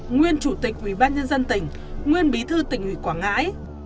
nguyên chủ tịch ủy ban nhân dân tỉnh nguyên bí thư tỉnh ủy quảng ngãi